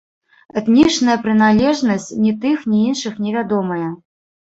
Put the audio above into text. Этнічная прыналежнасць ні тых, ні іншых не вядомая.